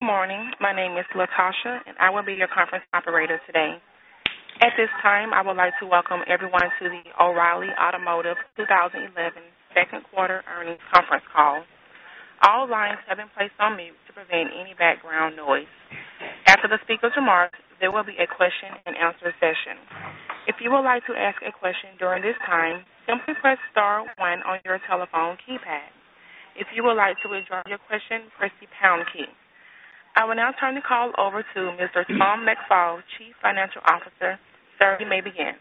Good morning. My name is Latasha, and I will be your conference operator today. At this time, I would like to welcome everyone to the O'Reilly Automotive 2011 Second Quarter eEarnings conference call. All lines have been placed on mute to prevent any background noise. After the speaker's remarks, there will be a question and answer session. If you would like to ask a question during this time, simply press star one on your telephone keypad. If you would like to withdraw your question, press the pound key. I will now turn the call over to Mr. Tom McFall, Chief Financial Officer. The survey may begin.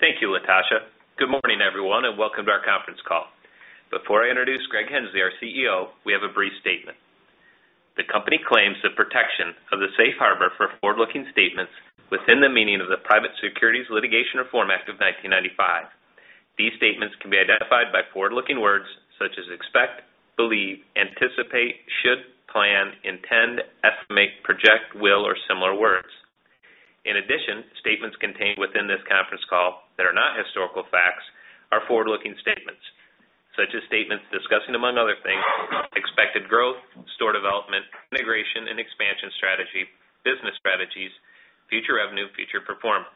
Thank you, Latasha. Good morning, everyone, and welcome to our conference call. Before I introduce Greg Henslee, our CEO, we have a brief statement. The company claims the protection of the safe harbor for forward-looking statements within the meaning of the Private Securities Litigation Reform Act of 1995. These statements can be identified by forward-looking words such as expect, believe, anticipate, should, plan, intend, estimate, project, will, or similar words. In addition, statements contained within this conference call that are not historical facts are forward-looking statements, such as statements discussing, among other things, expected growth, store development, integration and expansion strategy, business strategies, future revenue, and future performance.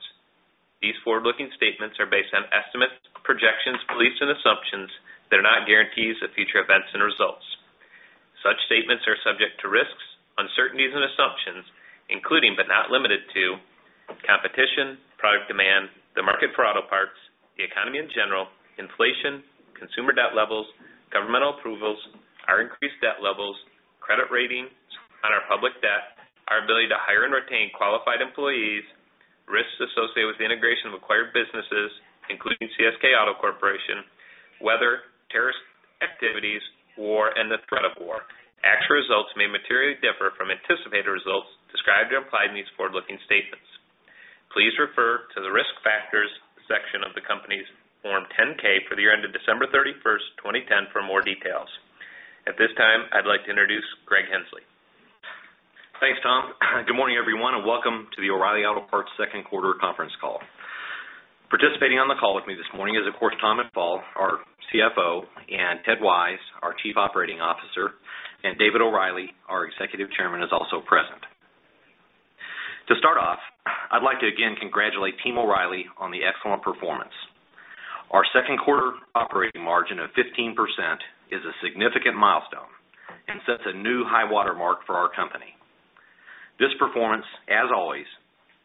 These forward-looking statements are based on estimates, projections, beliefs, and assumptions that are not guarantees of future events and results. Such statements are subject to risks, uncertainties, and assumptions, including but not limited to competition, product demand, the market for auto parts, the economy in general, inflation, consumer debt levels, governmental approvals, our increased debt levels, credit ratings on our public debt, our ability to hire and retain qualified employees, risks associated with the integration of acquired businesses, including CSK Auto Corporation, weather, terrorist activities, war, and the threat of war. Actual results may materially differ from anticipated results described and implied in these forward-looking statements. Please refer to the risk factors section of the company's Form 10-K for the year ended December 31st, 2010, for more details. At this time, I'd like to introduce Greg Henslee. Thanks, Tom. Good morning, everyone, and welcome to the O'Reilly Auto Parts Second Quarter Conference Call. Participating on the call with me this morning is, of course, Tom McFall, our CFO, and Ted Wise, our Chief Operating Officer, and David O'Reilly, our Executive Chairman, is also present. To start off, I'd like to again congratulate Team O'Reilly on the excellent performance. Our second quarter operating margin of 15% is a significant milestone and sets a new high watermark for our company. This performance, as always,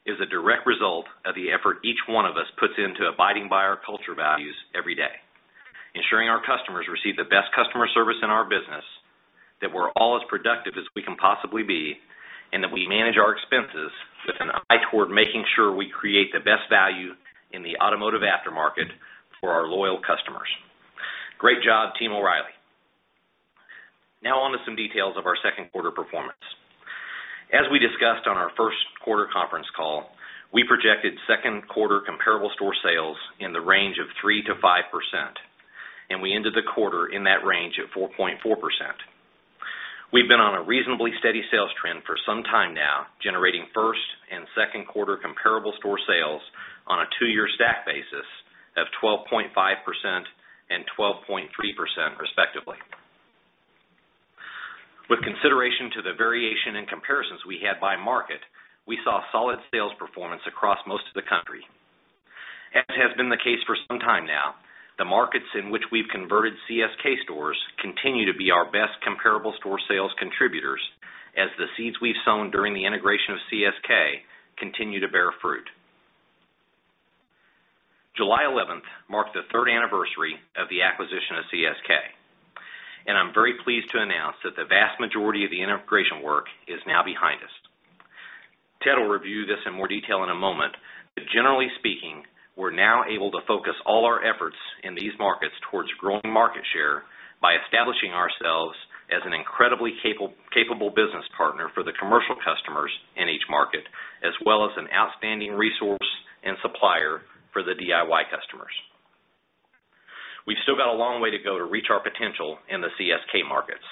is a direct result of the effort each one of us puts into abiding by our culture values every day, ensuring our customers receive the best customer service in our business, that we're all as productive as we can possibly be, and that we manage our expenses with an eye toward making sure we create the best value in the automotive aftermarket for our loyal customers. Great job, Team O'Reilly. Now on to some details of our second quarter performance. As we discussed on our first quarter conference call, we projected second quarter comparable store sales in the range of 3%-5%, and we ended the quarter in that range at 4.4%. We've been on a reasonably steady sales trend for some time now, generating first and second quarter comparable store sales on a two-year stack basis of 12.5% and 12.3%, respectively. With consideration to the variation in comparisons we had by market, we saw solid sales performance across most of the country. As has been the case for some time now, the markets in which we've converted CSK stores continue to be our best comparable store sales contributors, as the seeds we've sown during the integration of CSK continue to bear fruit. July 11th marked the third anniversary of the acquisition of CSK, and I'm very pleased to announce that the vast majority of the integration work is now behind us. Ted will review this in more detail in a moment, but generally speaking, we're now able to focus all our efforts in these markets towards growing market share by establishing ourselves as an incredibly capable business partner for the commercial customers in each market, as well as an outstanding resource and supplier for the DIY customers. We've still got a long way to go to reach our potential in the CSK markets,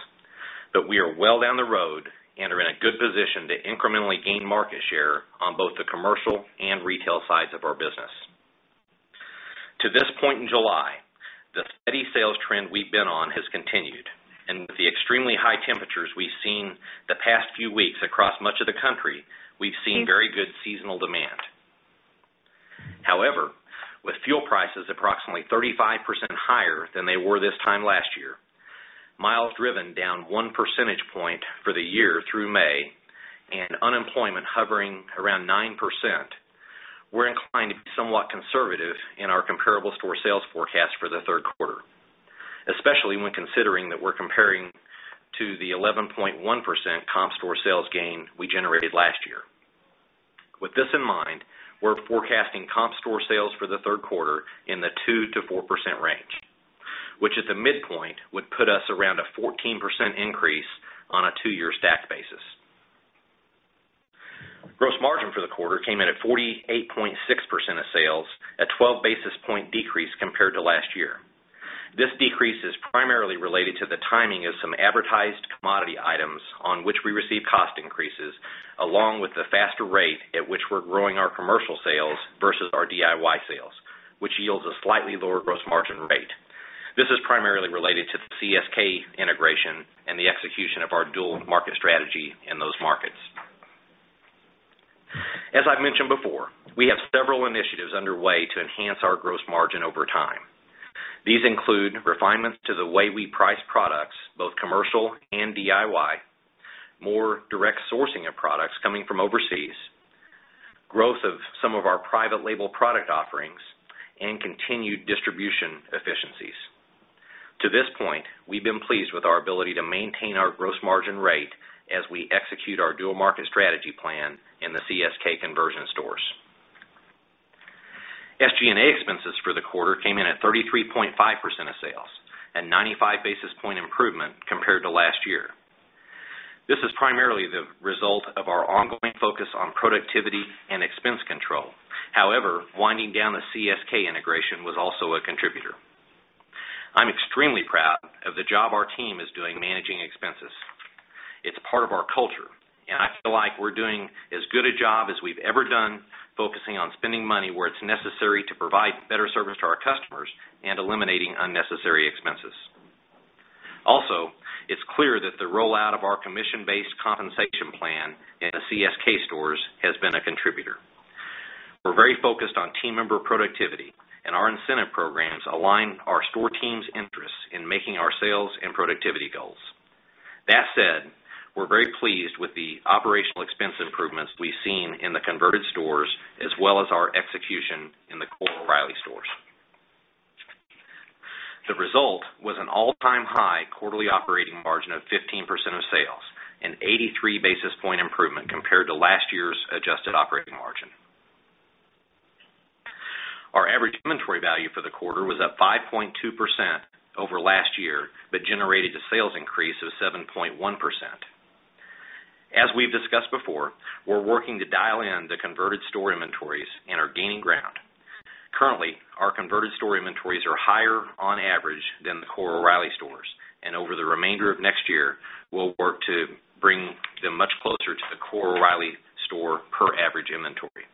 but we are well down the road and are in a good position to incrementally gain market share on both the commercial and retail sides of our business. To this point in July, the steady sales trend we've been on has continued, and with the extremely high temperatures we've seen the past few weeks across much of the country, we've seen very good seasonal demand. However, with fuel prices approximately 35% higher than they were this time last year, miles driven down 1% for the year through May, and unemployment hovering around 9%, we're inclined to be somewhat conservative in our comparable store sales forecast for the third quarter, especially when considering that we're comparing to the 11.1% comp store sales gain we generated last year. With this in mind, we're forecasting comp store sales for the third quarter in the 2%-4% range, which at the midpoint would put us around a 14% increase on a two-year stack basis. Gross margin for the quarter came in at 48.6% of sales, a 12 basis point decrease compared to last year. This decrease is primarily related to the timing of some advertised commodity items on which we receive cost increases, along with the faster rate at which we're growing our commercial sales versus our DIY sales, which yields a slightly lower gross margin rate. This is primarily related to CSK integration and the execution of our dual market strategy in those markets. As I've mentioned before, we have several initiatives underway to enhance our gross margin over time. These include refinements to the way we price products, both commercial and DIY, more direct sourcing of products coming from overseas, growth of some of our private label product offerings, and continued distribution efficiencies. To this point, we've been pleased with our ability to maintain our gross margin rate as we execute our dual market strategy plan in the CSK conversion stores. SG&A expenses for the quarter came in at 33.5% of sales, a 95 basis point improvement compared to last year. This is primarily the result of our ongoing focus on productivity and expense control. However, winding down the CSK integration was also a contributor. I'm extremely proud of the job our team is doing managing expenses. It's part of our culture, and I feel like we're doing as good a job as we've ever done, focusing on spending money where it's necessary to provide better service to our customers and eliminating unnecessary expenses. Also, it's clear that the rollout of our commission-based compensation plan in the CSK stores has been a contributor. We're very focused on team member productivity, and our incentive programs align our store team's interests in making our sales and productivity goals. That said, we're very pleased with the operational expense improvements we've seen in the converted stores as well as our execution in the O'Reilly stores. The result was an all-time high quarterly operating margin of 15% of sales and an 83 basis point improvement compared to last year's adjusted operating margin. Our average inventory value for the quarter was at 5.2% over last year, but generated a sales increase of 7.1%. As we've discussed before, we're working to dial in the converted store inventories and are gaining ground. Currently, our converted store inventories are higher on average than the core O'Reilly stores, and over the remainder of next year, we'll work to bring them much closer to the core O'Reilly store per average inventory.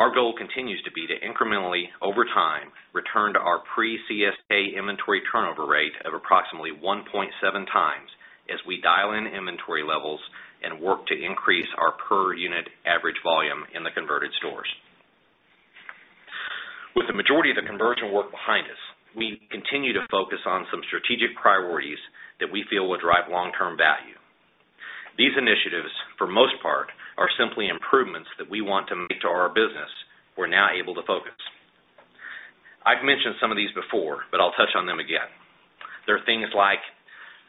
Our goal continues to be to incrementally, over time, return to our pre-CSK inventory turnover rate of approximately 1.7x as we dial in inventory levels and work to increase our per unit average volume in the converted stores. With the majority of the conversion work behind us, we continue to focus on some strategic priorities that we feel will drive long-term value. These initiatives, for the most part, are simply improvements that we want to make to our business now that we're able to focus. I've mentioned some of these before, but I'll touch on them again. There are things like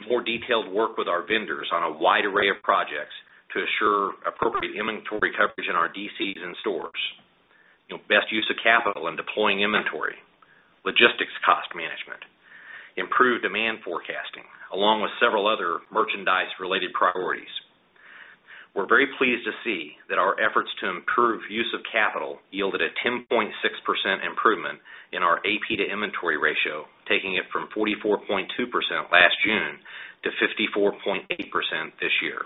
more detailed work with our vendors on a wide array of projects to assure appropriate inventory coverage in our DCs and stores, best use of capital in deploying inventory, logistics cost management, improved demand forecasting, along with several other merchandise-related priorities. We're very pleased to see that our efforts to improve use of capital yielded a 10.6% improvement in our AP-inventory ratio, taking it from 44.2% last June to 54.8% this year.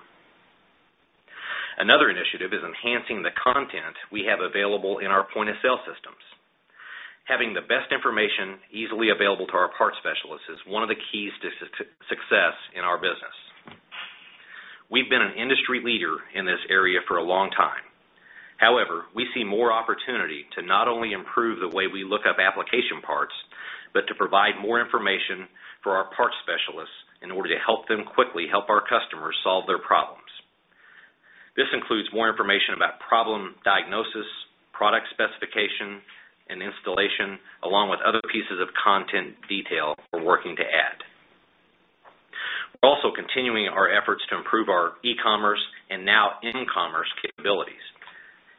Another initiative is enhancing the content we have available in our point-of-sale systems. Having the best information easily available to our parts specialists is one of the keys to success in our business. We've been an industry leader in this area for a long time. However, we see more opportunity to not only improve the way we look up application parts, but to provide more information for our parts specialists in order to help them quickly help our customers solve their problems. This includes more information about problem diagnosis, product specification, and installation, along with other pieces of content detail we're working to add. We're also continuing our efforts to improve our e-commerce and now in-commerce capabilities.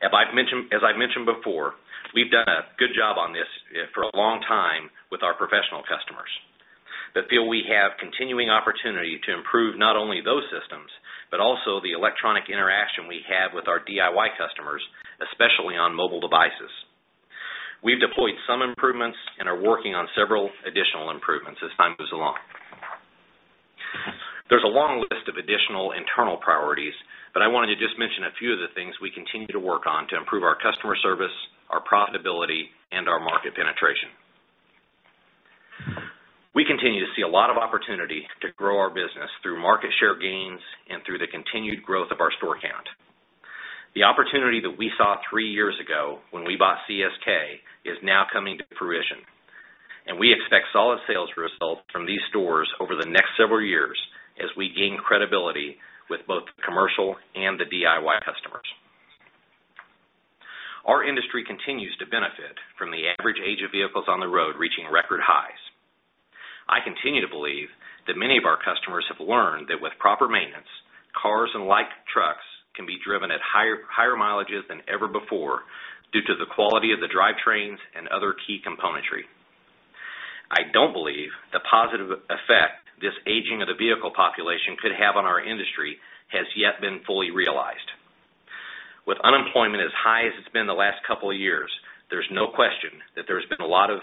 As I've mentioned before, we've done a good job on this for a long time with our professional customers that feel we have continuing opportunity to improve not only those systems, but also the electronic interaction we have with our DIY customers, especially on mobile devices. We've deployed some improvements and are working on several additional improvements as time goes along. There's a long list of additional internal priorities, but I wanted to just mention a few of the things we continue to work on to improve our customer service, our profitability, and our market penetration. We continue to see a lot of opportunity to grow our business through market share gains and through the continued growth of our store count. The opportunity that we saw three years ago when we bought CSK is now coming to fruition, and we expect solid sales results from these stores over the next several years as we gain credibility with both commercial and the DIY customers. Our industry continues to benefit from the average age of vehicles on the road reaching record highs. I continue to believe that many of our customers have learned that with proper maintenance, cars and light trucks can be driven at higher mileages than ever before due to the quality of the drivetrains and other key componentry. I don't believe the positive effect this aging of the vehicle population could have on our industry has yet been fully realized. With unemployment as high as it's been the last couple of years, there's no question that there's been a lot of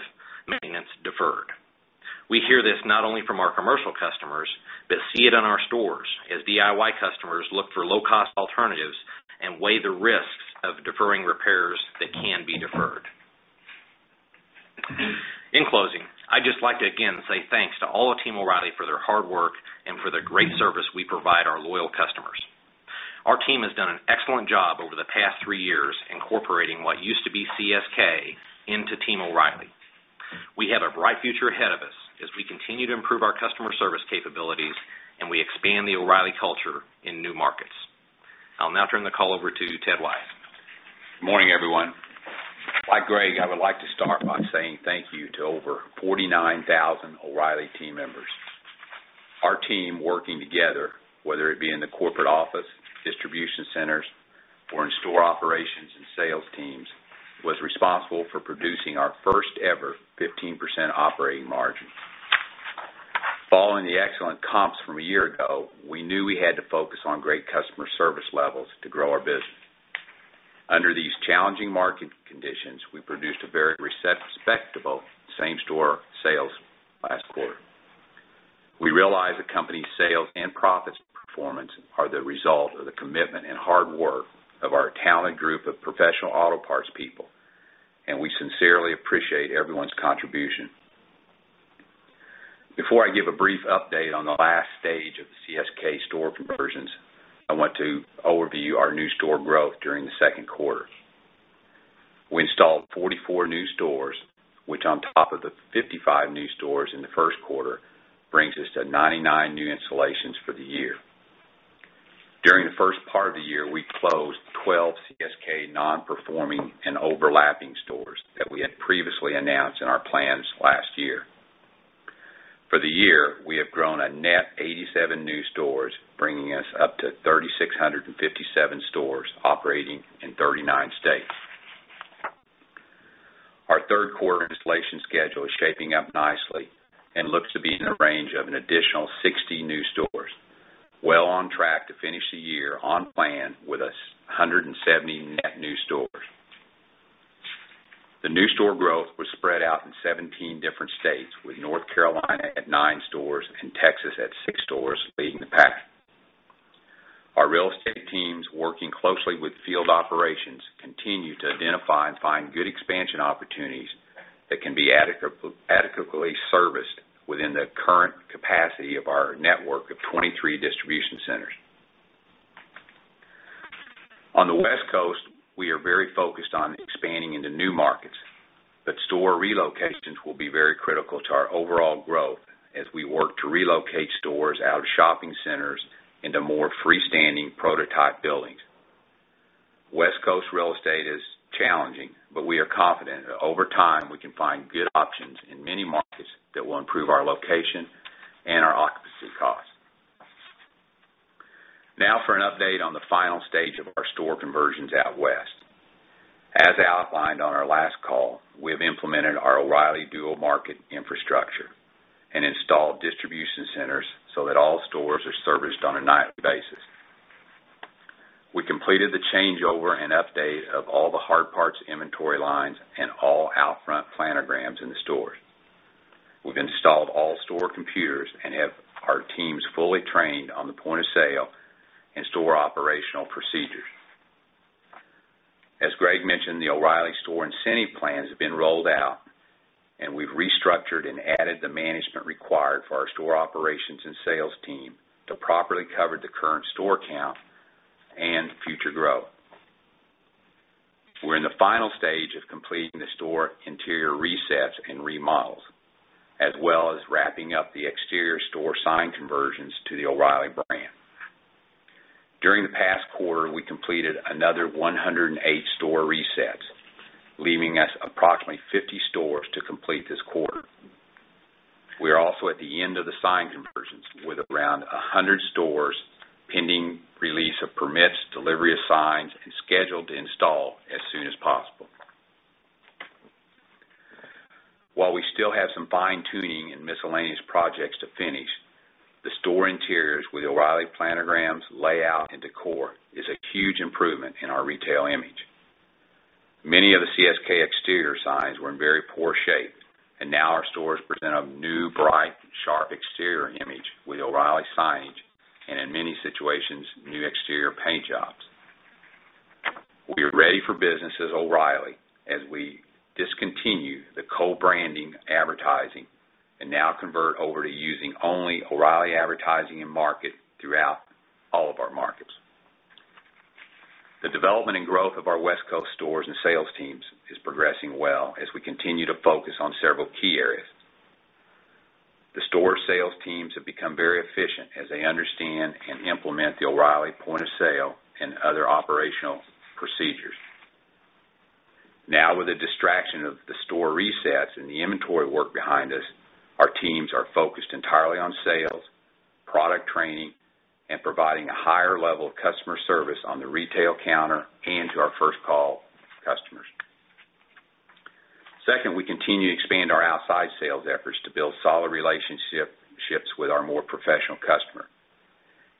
maintenance deferred. We hear this not only from our commercial customers, but see it in our stores as DIY customers look for low-cost alternatives and weigh the risks of deferring repairs that can be deferred. In closing, I'd just like to again say thanks to all of Team O'Reilly for their hard work and for the great service we provide our loyal customers. Our team has done an excellent job over the past three years incorporating what used to be CSK into Team O'Reilly. We have a bright future ahead of us as we continue to improve our customer service capabilities and we expand the O'Reilly culture in new markets. I'll now turn the call over to Ted Wise. Morning, everyone. Like Greg, I would like to start by saying thank you to over 49,000 O'Reilly team members. Our team working together, whether it be in the corporate office, distribution centers, or in store operations and sales teams, was responsible for producing our first-ever 15% operating margin. Following the excellent comps from a year ago, we knew we had to focus on great customer service levels to grow our business. Under these challenging market conditions, we produced a very respectable same-store sales last quarter. We realize the company's sales and profits performance are the result of the commitment and hard work of our talented group of professional auto parts people, and we sincerely appreciate everyone's contribution. Before I give a brief update on the last stage of the CSK store conversions, I want to overview our new store growth during the second quarter. We installed 44 new stores, which on top of the 55 new stores in the first quarter brings us to 99 new installations for the year. During the first part of the year, we closed 12 CSK non-performing and overlapping stores that we had previously announced in our plans last year. For the year, we have grown a net 87 new stores, bringing us up to 3,657 stores operating in 39 states. Our third quarter installation schedule is shaping up nicely and looks to be in the range of an additional 60 new stores, well on track to finish the year on plan with us 170 net new stores. The new store growth was spread out in 17 different states, with North Carolina at nine stores and Texas at six stores leading the path. Our real estate teams, working closely with field operations, continue to identify and find good expansion opportunities that can be adequately serviced within the current capacity of our network of 23 distribution centers. On the West Coast, we are very focused on expanding into new markets, but store relocations will be very critical to our overall growth as we work to relocate stores out of shopping centers into more freestanding prototype buildings. West Coast real estate is challenging, but we are confident that over time we can find good options in many markets that will improve our location and our occupancy costs. Now for an update on the final stage of our store conversions out West. As outlined on our last call, we have implemented our O'Reilly dual market infrastructure and installed distribution centers so that all stores are serviced on a nightly basis. We completed the changeover and update of all the hard parts inventory lines and all out-front planograms in the stores. We've installed all store computers and have our teams fully trained on the point of sale and store operational procedures. As Greg mentioned, the O'Reilly store and city plans have been rolled out, and we've restructured and added the management required for our store operations and sales team to properly cover the current store count and future growth. We're in the final stage of completing the store interior resets and remodels, as well as wrapping up the exterior store sign conversions to the O'Reilly brand. During the past quarter, we completed another 108 store resets, leaving us approximately 50 stores to complete this quarter. We are also at the end of the sign conversions with around 100 stores pending release of permits, delivery of signs, and scheduled to install as soon as possible. While we still have some fine-tuning and miscellaneous projects to finish, the store interiors with O'Reilly planograms, layout, and decor is a huge improvement in our retail image. Many of the CSK exterior signs were in very poor shape, and now our stores present a new, bright, sharp exterior image with O'Reilly signage and, in many situations, new exterior paint jobs. We are ready for business as O'Reilly as we discontinue the co-branding advertising and now convert over to using only O'Reilly advertising in market throughout all of our markets. The development and growth of our West Coast stores and sales teams is progressing well as we continue to focus on several key areas. The store sales teams have become very efficient as they understand and implement the O'Reilly point of sale and other operational procedures. Now, with the distraction of the store resets and the inventory work behind us, our teams are focused entirely on sales, product training, and providing a higher level of customer service on the retail counter and to our first call customers. Second, we continue to expand our outside sales efforts to build solid relationships with our more professional customers.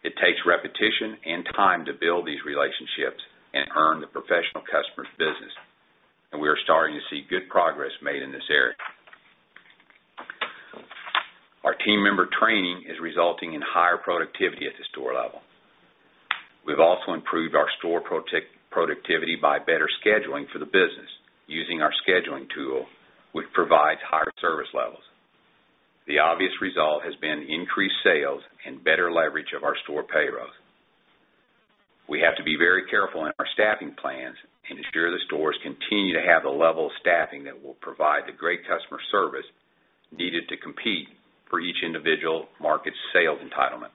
It takes repetition and time to build these relationships and earn the professional customer's business, and we are starting to see good progress made in this area. Our team member training is resulting in higher productivity at the store level. We've also improved our store productivity by better scheduling for the business using our scheduling tool, which provides higher service levels. The obvious result has been increased sales and better leverage of our store payrolls. We have to be very careful in our staffing plans and ensure the stores continue to have the level of staffing that will provide the great customer service needed to compete for each individual market's sales entitlement.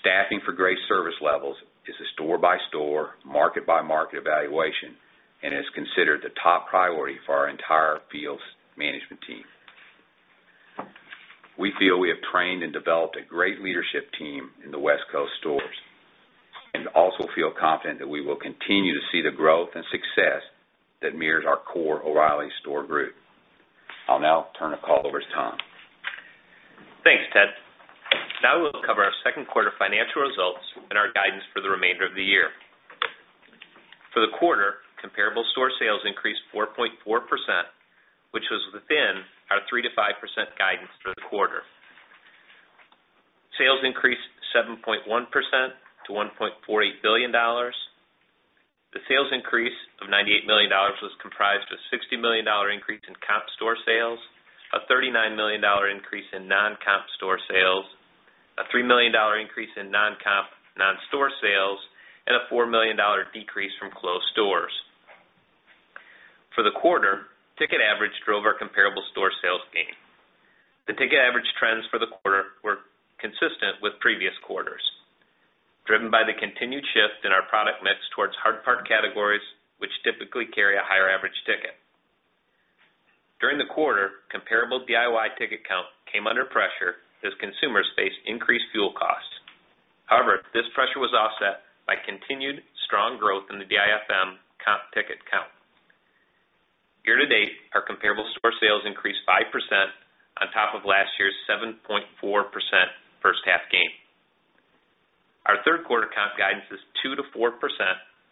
Staffing for great service levels is a store-by-store, market-by-market evaluation and is considered the top priority for our entire field management team. We feel we have trained and developed a great leadership team in the West Coast stores and also feel confident that we will continue to see the growth and success that mirrors our core O'Reilly store group. I'll now turn the call over to Tom. Thanks, Ted. Now we'll cover our second quarter financial results and our guidance for the remainder of the year. For the quarter, comparable store sales increased 4.4%, which was within our 3%-5% guidance for the quarter. Sales increased 7.1% to $1.48 billion. The sales increase of $98 million was comprised of a $60 million increase in comp store sales, a $39 million increase in non-comp store sales, a $3 million increase in non-comp non-store sales, and a $4 million decrease from closed stores. For the quarter, ticket average drove our comparable store sales gain. The ticket average trends for the quarter were consistent with previous quarters, driven by the continued shift in our product mix towards hard part categories, which typically carry a higher average ticket. During the quarter, comparable DIY ticket count came under pressure as consumers faced increased fuel costs. However, this pressure was offset by continued strong growth in the DIFM comp ticket count. Year to date, our comparable store sales increased 5% on top of last year's 7.4% first half gain. Our third quarter comp guidance is 2%-4%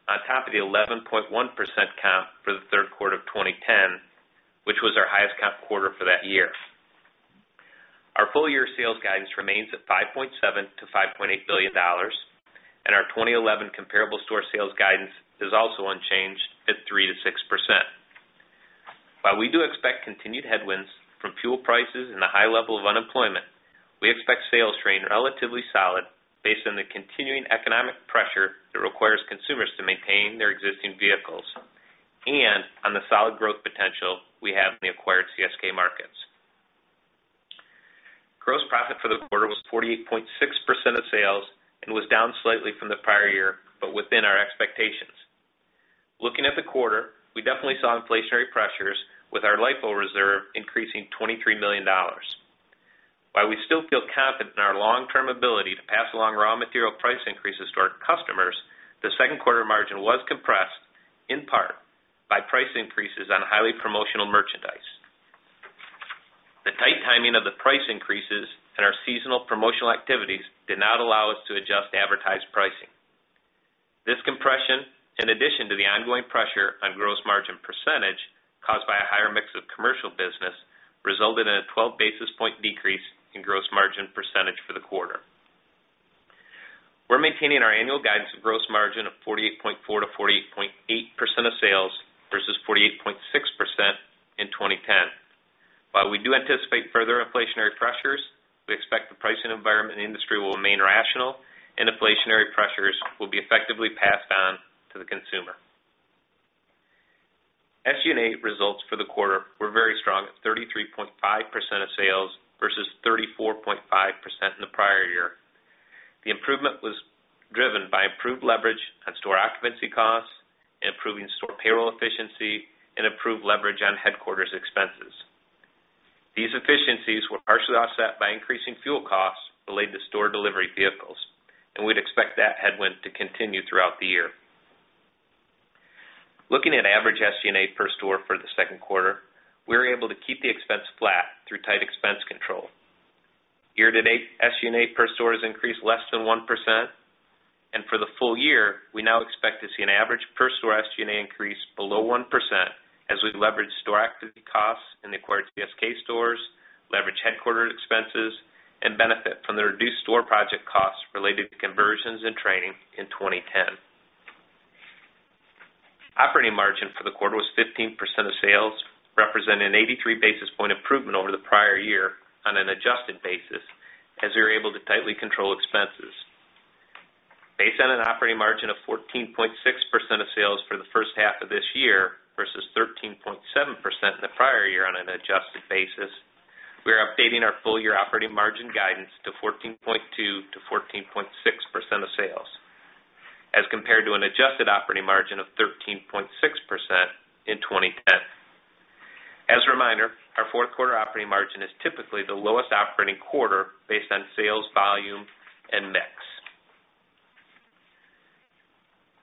on top of the 11.1% comp for the third quarter of 2010, which was our highest comp quarter for that year. Our full-year sales guidance remains at $5.7 billion-$5.8 billion, and our 2011 comparable store sales guidance is also unchanged at 3%-6%. While we do expect continued headwinds from fuel prices and the high level of unemployment, we expect sales remain relatively solid based on the continuing economic pressure that requires consumers to maintain their existing vehicles and on the solid growth potential we have in the acquired CSK markets. Gross profit for the quarter was 48.6% of sales and was down slightly from the prior year, but within our expectations. Looking at the quarter, we definitely saw inflationary pressures with our LIFO Reserve increasing $23 million. While we still feel confident in our long-term ability to pass along raw material price increases to our customers, the second quarter margin was compressed in part by price increases on highly promotional merchandise. The tight timing of the price increases and our seasonal promotional activities did not allow us to adjust advertised pricing. This compression, in addition to the ongoing pressure on gross margin percentage caused by a higher mix of commercial business, resulted in a 12 basis point decrease in gross margin percentage for the quarter. We're maintaining our annual guidance of gross margin of 48.4%-48.8% of sales versus 48.6% in 2010. While we do anticipate further inflationary pressures, we expect the pricing environment and industry will remain rational and inflationary pressures will be effectively passed on to the consumer. SG&A results for the quarter were very strong at 33.5% of sales versus 34.5% in the prior year. The improvement was driven by improved leverage on store occupancy costs, improving store payroll efficiency, and improved leverage on headquarters expenses. These efficiencies were partially offset by increasing fuel costs related to store delivery vehicles, and we'd expect that headwind to continue throughout the year. Looking at average SG&A per store for the second quarter, we were able to keep the expense flat through tight expense control. Year to date, SG&A per store has increased less than 1%, and for the full year, we now expect to see an average per store SG&A increase below 1% as we leverage store activity costs in the acquired CSK stores, leverage headquarter expenses, and benefit from the reduced store project costs related to conversions and training in 2010. Operating margin for the quarter was 15% of sales, representing an 83 basis point improvement over the prior year on an adjusted basis as we were able to tightly control expenses. Based on an operating margin of 14.6% of sales for the first half of this year versus 13.7% in the prior year on an adjusted basis, we are updating our full-year operating margin guidance to 14.2%-14.6% of sales as compared to an adjusted operating margin of 13.6% in 2010. As a reminder, our fourth quarter operating margin is typically the lowest operating quarter based on sales volume and mix.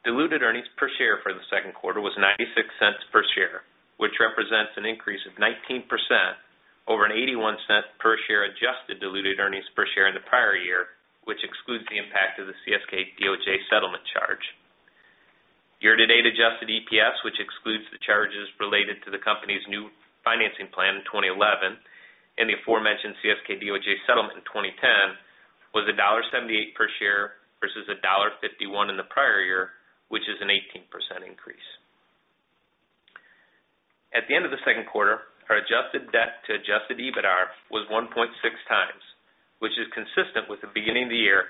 Diluted earnings per share for the second quarter was $0.96 per share, which represents an increase of 19% over an $0.81 per share adjusted diluted earnings per share in the prior year, which excludes the impact of the CSK Auto Corporation DOJ settlement charge. Year to date adjusted EPS, which excludes the charges related to the company's new financing plan in 2011 and the aforementioned CSK DOJ settlement in 2010, was $1.78 per share versus $1.51 in the prior year, which is an 18% increase. At the end of the second quarter, our adjusted debt to adjusted EBITDA was 1.6x, which is consistent with the beginning of the year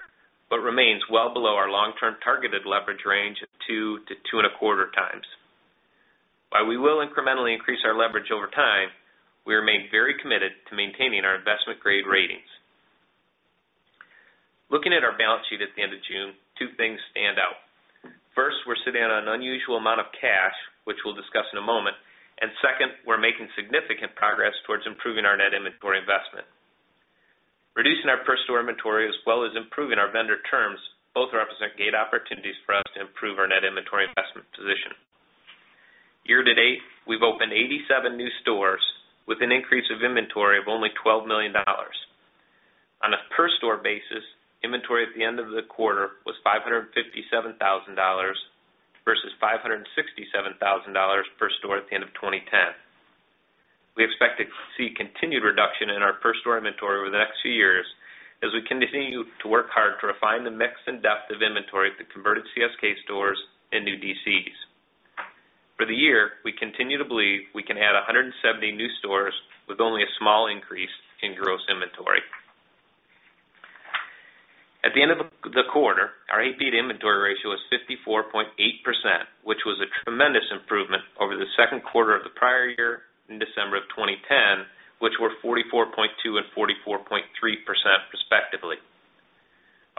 but remains well below our long-term targeted leverage range of 2x-2.25x. While we will incrementally increase our leverage over time, we remain very committed to maintaining our investment grade ratings. Looking at our balance sheet at the end of June, two things stand out. First, we're sitting on an unusual amount of cash, which we'll discuss in a moment, and second, we're making significant progress towards improving our net inventory investment. Reducing our first store inventory, as well as improving our vendor terms, both represent great opportunities for us to improve our net inventory investment position. Year to date, we've opened 87 new stores with an increase of inventory of only $12 million. On a per store basis, inventory at the end of the quarter was $557,000 versus $567,000 per store at the end of 2010. We expect to see continued reduction in our per store inventory over the next few years as we continue to work hard to refine the mix and depth of inventory at the converted CSK and new DCs. For the year, we continue to believe we can add 170 new stores with only a small increase in gross inventory. At the end of the quarter, our AP-inventory ratio was 54.8%, which was a tremendous improvement over the second quarter of the prior year in December of 2010, which were 44.2% and 44.3% respectively.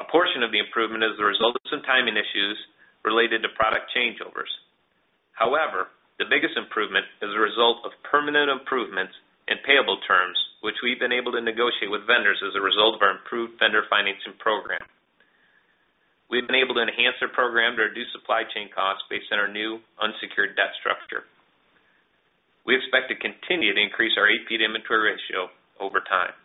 A portion of the improvement is the result of some timing issues related to product changeovers. However, the biggest improvement is the result of permanent improvements in payable terms, which we've been able to negotiate with vendors as a result of our improved vendor financing program. We've been able to enhance our program to reduce supply chain costs based on our new unsecured debt structure. We expect to continue to increase our AP-inventory ratio over time.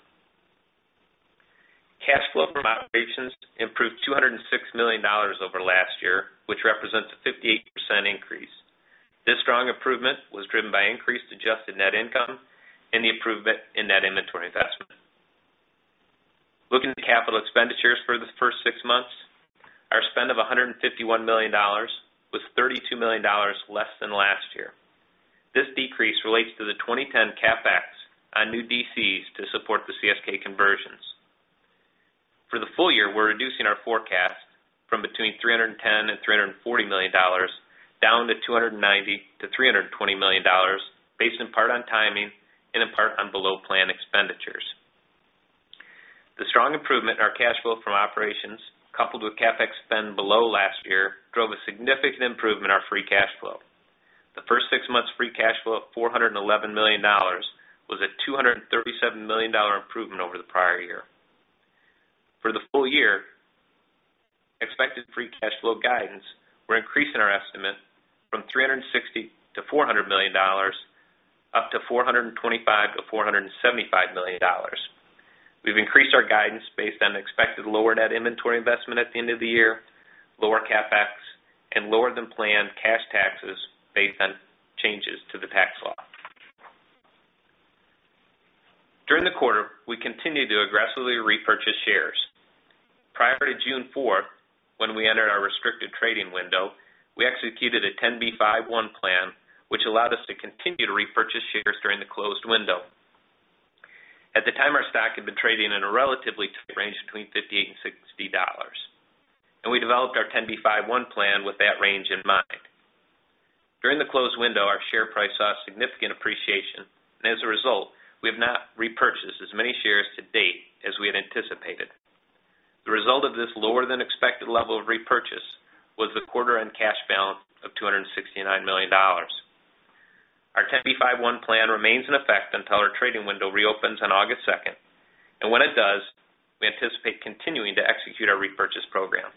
Cash flow from operations improved $206 million over last year, which represents a 58% increase. This strong improvement was driven by increased adjusted net income and the improvement in net inventory investment. Looking at capital expenditures for the first six months, our spend of $151 million was $32 million less than last year. This decrease relates to the 2010 CapEx on new DCs to support the CSK conversions. For the full year, we're reducing our forecast from between $310 and $340 million down to $290 million-$320 million based in part on timing and in part on below-plan expenditures. The strong improvement in our cash flow from operations, coupled with CapEx spend below last year, drove a significant improvement in our free cash flow. The first six months' free cash flow of $411 million was a $237 million improvement over the prior year. For the full year, expected free cash flow guidance will increase in our estimate from $360 million-$400 million up to $425 million-$475 million. We've increased our guidance based on expected lower net inventory investment at the end of the year, lower CapEx, and lower than planned cash taxes based on changes to the tax law. During the quarter, we continue to aggressively repurchase shares. Prior to June 4, when we entered our restricted trading window, we executed a 10b5-1 plan, which allowed us to continue to repurchase shares during the closed window. At the time, our stock had been trading in a relatively tight range between $58 and $60, and we developed our 10b5-1 plan with that range in mind. During the closed window, our share price saw significant appreciation, and as a result, we have not repurchased as many shares to date as we had anticipated. The result of this lower than expected level of repurchase was the quarter-end cash balance of $269 million. Our 10b5-1 plan remains in effect until our trading window reopens on August 2nd, and when it does, we anticipate continuing to execute our repurchase program.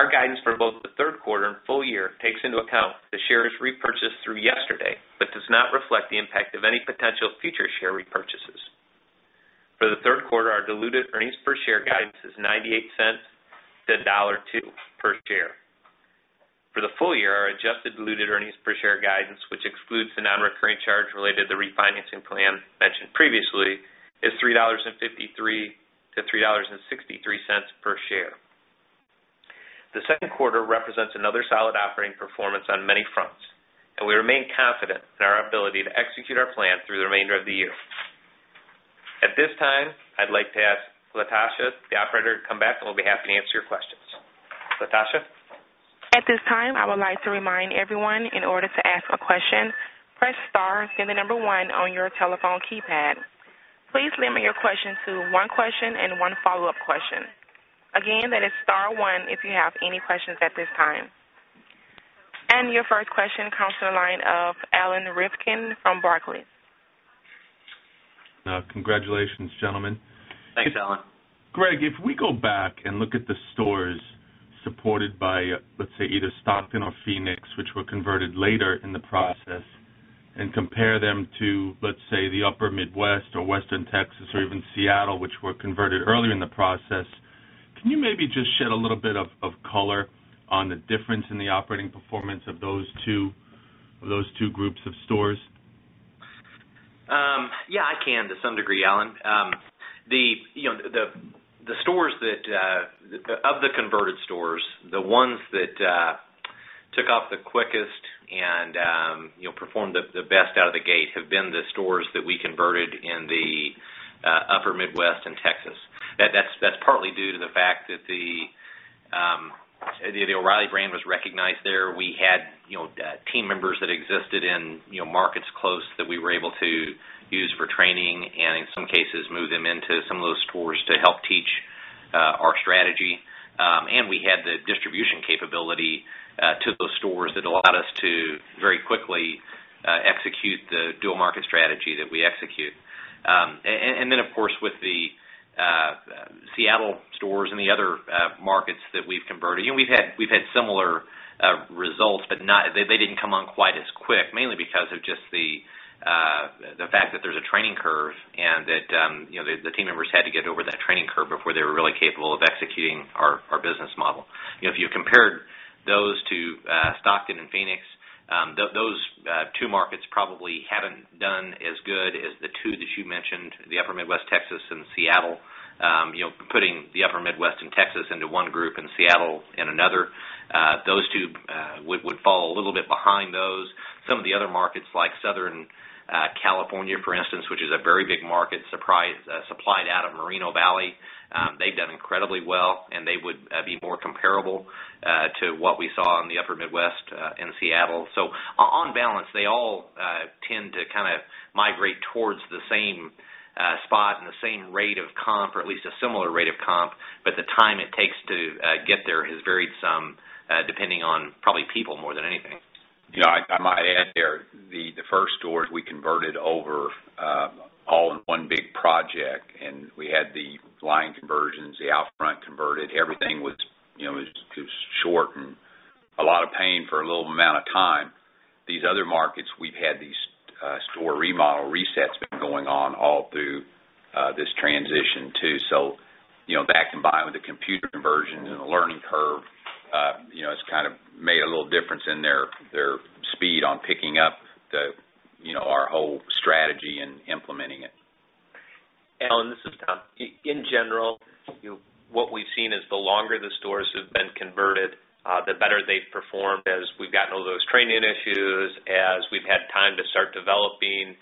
Our guidance from both the third quarter and full year takes into account the shares repurchased through yesterday but does not reflect the impact of any potential future share repurchases. For the third quarter, our diluted earnings per share guidance is $0.98-$1.02 per share. For the full year, our adjusted diluted earnings per share guidance, which excludes the non-recurring charge related to the refinancing plan mentioned previously, is $3.53-$3.63 per share. The second quarter represents another solid operating performance on many fronts, and we remain confident in our ability to execute our plan through the remainder of the year. At this time, I'd like to ask Latasha, the operator, to come back, and we'll be happy to answer your questions. Latasha? At this time, I would like to remind everyone, in order to ask a question, press star then the number one on your telephone keypad. Please limit your question to one question and one follow-up question. Again, that is star one if you have any questions at this time. Your first question comes from the line of Alan Rifkin from Barclays. Congratulations, gentlemen. Thanks, Alan. Greg, if we go back and look at the stores supported by, let's say, either Stockton or Phoenix, which were converted later in the process, and compare them to, let's say, the upper Midwest or Western Texas or even Seattle, which were converted earlier in the process, can you maybe just shed a little bit of color on the difference in the operating performance of those two groups of stores? Yeah, I can to some degree, Alan. The stores that, of the converted stores, the ones that took off the quickest and performed the best out of the gate have been the stores that we converted in the upper Midwest and Texas. That's partly due to the fact that the O'Reilly brand was recognized there. We had team members that existed in markets close that we were able to use for training and, in some cases, move them into some of those stores to help teach our strategy. We had the distribution capability to those stores that allowed us to very quickly execute the dual market strategy that we execute. Of course, with the Seattle stores and the other markets that we've converted, we've had similar results, but they didn't come on quite as quick, mainly because of just the fact that there's a training curve and that the team members had to get over that training curve before they were really capable of executing our business model. If you compared those to Stockton and Phoenix, those two markets probably haven't done as good as the two that you mentioned, the upper Midwest, Texas, and Seattle. Putting the upper Midwest and Texas into one group and Seattle in another, those two would fall a little bit behind those. Some of the other markets, like Southern California, for instance, which is a very big market supplied out of Moreno Valley, they've done incredibly well, and they would be more comparable to what we saw in the upper Midwest and Seattle. On balance, they all tend to kind of migrate towards the same spot and the same rate of comp, or at least a similar rate of comp, but the time it takes to get there has varied some, depending on probably people more than anything. Yeah, I might add there. The first stores we converted over all in one big project, and we had the line conversions, the out-front converted, everything was short and a lot of pain for a little amount of time. These other markets, we've had these store remodel resets going on all through this transition too. That combined with the computer conversions and the learning curve, it's kind of made a little difference in their speed on picking up our whole strategy and implementing it. Alan, this is Tom. In general, what we've seen is the longer the stores have been converted, the better they've performed as we've gotten over those training issues, as we've had time to start developing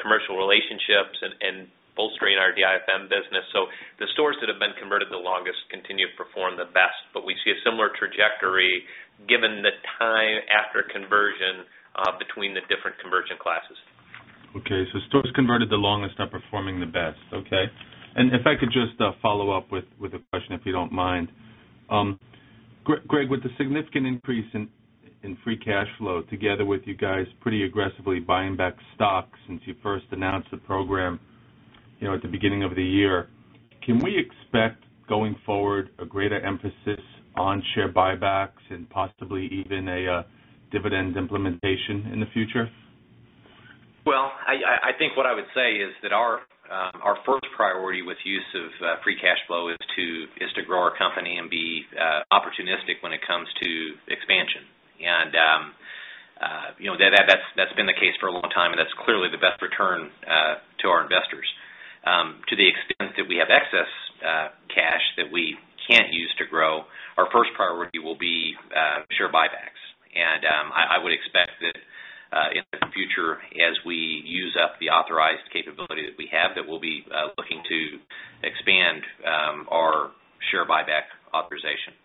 commercial relationships and bolstering our DIFM business. The stores that have been converted the longest continue to perform the best, and we see a similar trajectory given the time after conversion between the different conversion classes. Okay, so stores converted the longest are performing the best. Okay. If I could just follow up with a question, if you don't mind. Greg, with the significant increase in free cash flow, together with you guys pretty aggressively buying back stocks since you first announced the program at the beginning of the year, can we expect going forward a greater emphasis on share buybacks and possibly even a dividend implementation in the future? I think what I would say is that our first priority with the use of free cash flow is to grow our company and be opportunistic when it comes to expansion. That's been the case for a long time, and that's clearly the best return to our investors. To the extent that we have excess cash that we can't use to grow, our first priority will be share buybacks. I would expect that in the future, as we use up the authorized capability that we have, we'll be looking to expand our share buyback authorization.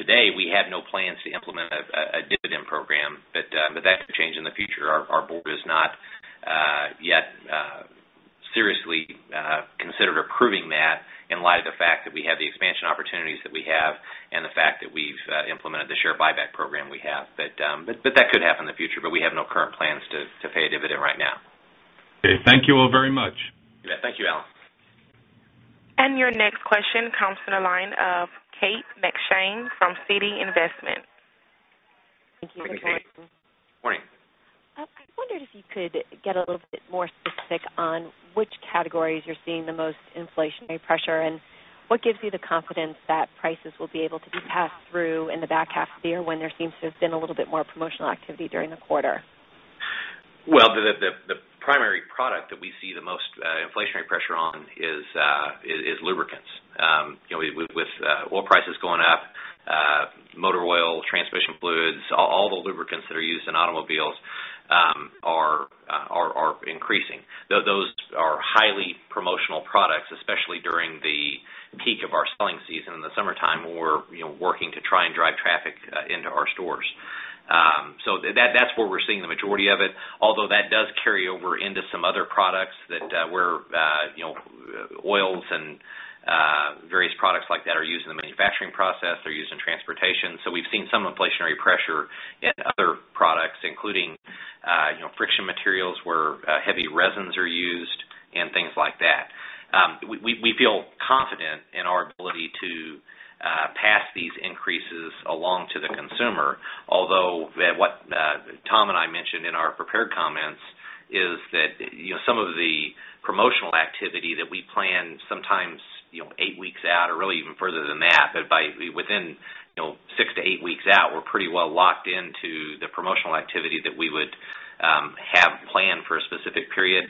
Today, we have no plans to implement a dividend program, but that could change in the future. Our board has not yet seriously considered approving that in light of the fact that we have the expansion opportunities that we have and the fact that we've implemented the share buyback program we have. That could happen in the future, but we have no current plans to pay a dividend right now. Okay, thank you all very much. Thank you, Alan. Your next question comes from the line of Kate McShane from Citi Investment. Thank you for joining us. Morning. Morning. I wondered if you could get a little bit more specific on which categories you're seeing the most inflationary pressure, and what gives you the confidence that prices will be able to be passed through in the back half of the year when there seems to have been a little bit more promotional activity during the quarter. The primary product that we see the most inflationary pressure on is lubricants. With oil prices going up, motor oil, transmission fluids, all the lubricants that are used in automobiles are increasing. Those are highly promotional products, especially during the peak of our selling season in the summertime when we're working to try and drive traffic into our stores. That's where we're seeing the majority of it, although that does carry over into some other products that oils and various products like that are used in the manufacturing process, they're used in transportation. We've seen some inflationary pressure in other products, including friction materials where heavy resins are used and things like that. We feel confident in our ability to pass these increases along to the consumer, although what Tom and I mentioned in our prepared comments is that some of the promotional activity that we plan sometimes eight weeks out or really even further than that, but within six to eight weeks out, we're pretty well locked into the promotional activity that we would have planned for a specific period.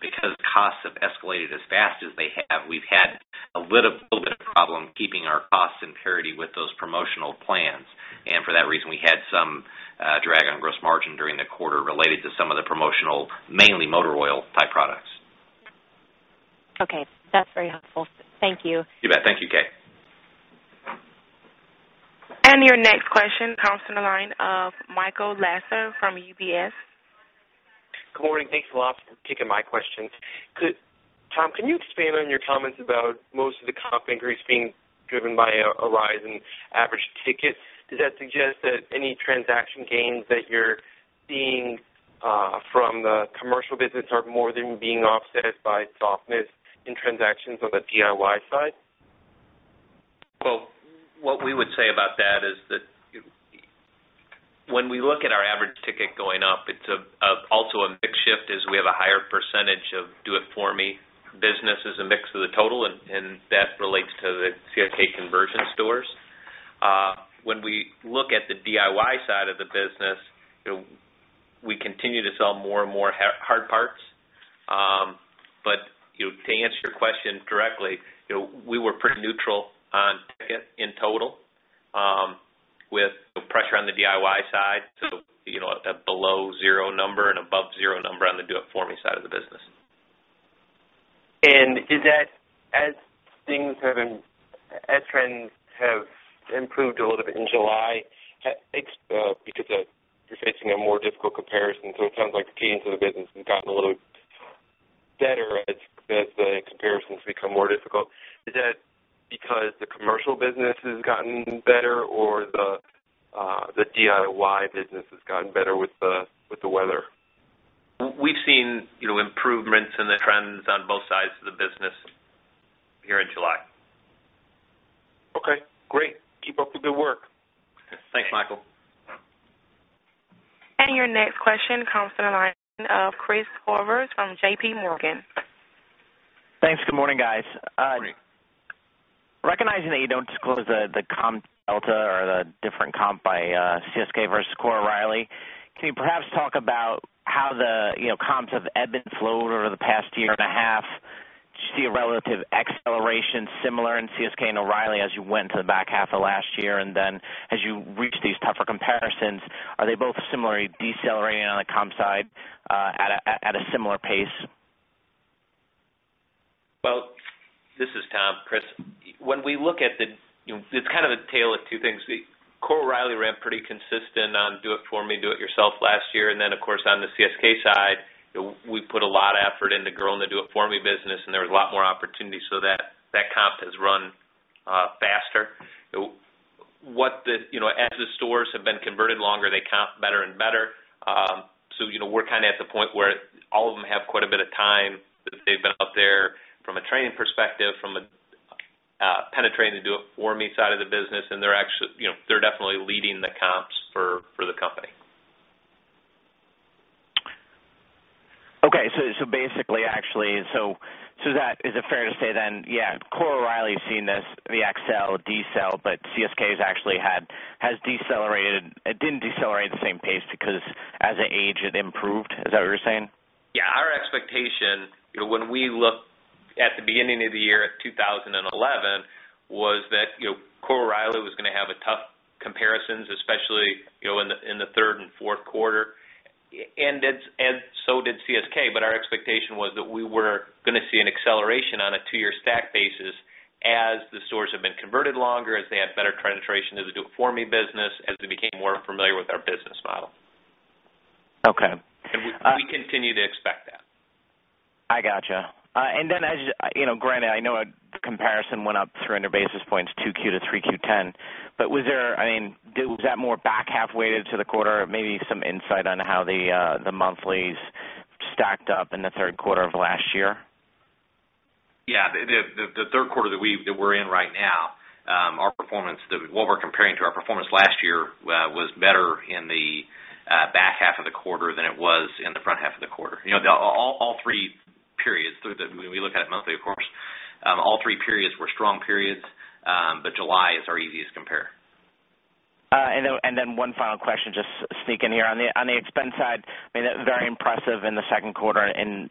Because costs have escalated as fast as they have, we've had a little bit of a problem keeping our costs in parity with those promotional plans. For that reason, we had some drag on gross margin during the quarter related to some of the promotional, mainly motor oil type products. Okay, that's very helpful. Thank you. You bet. Thank you, Kate. Your next question comes from the line of Michael Lasser from UBS. Good morning. Thank you all for taking my questions. Tom, can you expand on your comments about most of the comp increase being driven by a rise in average tickets? Does that suggest that any transaction gains that you're seeing from the commercial business are more than being offset by softness in transactions on the DIY side? When we look at our average ticket going up, it's also a mix shift as we have a higher percentage of do-it-for-me business as a mix of the total, and that relates to the CSK conversion stores. When we look at the DIY side of the business, we continue to sell more and more hard parts. To answer your question directly, we were pretty neutral on tickets in total with pressure on the DIY side to a below zero number and above zero number on the do-it-for-me side of the business. Is that as things have been as trends have improved a little bit in July because you're facing a more difficult comparison, it sounds like the cadence of the business has gotten a little bit better as the comparisons become more difficult. Is that because the commercial business has gotten better or the DIY business has gotten better with the weather? We've seen improvements in the trends on both sides of the business here in July. Okay, great. Keep up the good work. Thanks, Michael. Your next question comes from the line of Chris Horvers from JPMorgan. Thanks. Good morning, guys. Morning. Recognizing that you don't disclose the comp delta or the different comp by CSK versus Core O'Reilly, can you perhaps talk about how the comps have ebbed and flowed over the past year and a half? Did you see a relative acceleration similar in CSK and O'Reilly as you went into the back half of last year? As you reached these tougher comparisons, are they both similarly decelerating on the comp side at a similar pace? This is Tom. When we look at the, it's kind of a tale of two things. Core O'Reilly ran pretty consistent on do-it-for-me, do-it-yourself last year. On the CSK side, we put a lot of effort into growing the do-it-for-me business, and there was a lot more opportunity, so that comp has run faster. After the stores have been converted longer, they comp better and better. We're kind of at the point where all of them have quite a bit of time that they've been up there from a training perspective, from penetrating the do-it-for-me side of the business, and they're actually, they're definitely leading the comps for the company. Okay, is it fair to say then, Core O'Reilly has seen this VxSell, DxSell, but CSK has actually had, has decelerated, it didn't decelerate at the same pace because as it aged, it improved. Is that what you're saying? Yeah, our expectation, you know, when we looked at the beginning of the year of 2011 was that, you know, Core O'Reilly was going to have tough comparisons, especially, you know, in the third and fourth quarter. CSK did as well, but our expectation was that we were going to see an acceleration on a two-year stack basis as the stores have been converted longer, as they had better penetration into the do-it-for-me business, as we became more familiar with our business model. Okay. We continue to expect that. I gotcha. You know, granted, I know a comparison went up 300 bps 2Q to 3Q 2010, but was there, I mean, was that more back half weighted to the quarter? Maybe some insight on how the monthlies stacked up in the third quarter of last year? Yeah, the third quarter that we're in right now, our performance, what we're comparing to our performance last year was better in the back half of the quarter than it was in the front half of the quarter. You know, all three periods, when we look at it monthly, of course, all three periods were strong periods, but July is our easiest compare. One final question, just sneak in here. On the expense side, very impressive in the second quarter in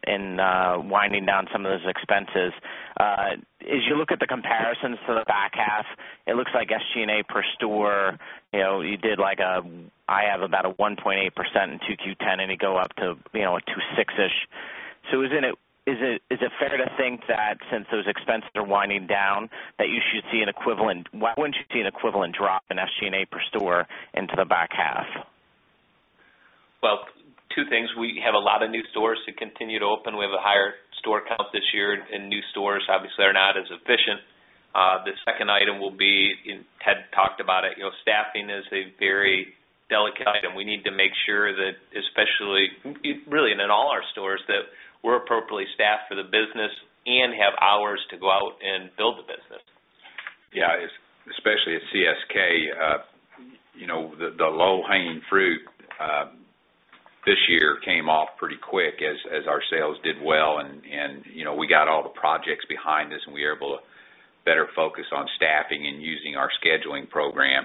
winding down some of those expenses. As you look at the comparisons to the back half, it looks like SG&A per store, you did like a, I have about 1.8% in 2Q 2010, and you go up to a 2.6%-ish. Is it fair to think that since those expenses are winding down, you should see an equivalent, why wouldn't you see an equivalent drop in SG&A per store into the back half? Two things. We have a lot of new stores to continue to open. We have a higher store count this year, and new stores obviously are not as efficient. The second item will be, Ted talked about it, you know, staffing is a very delicate item. We need to make sure that, especially, really in all our stores, that we're appropriately staffed for the business and have hours to go out and build the business. Yeah, especially at CSK, the low-hanging fruit this year came off pretty quick as our sales did well, and we got all the projects behind us, and we were able to better focus on staffing and using our scheduling program.